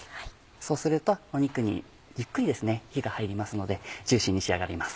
そうすると肉にゆっくり火が入りますのでジューシーに仕上がります。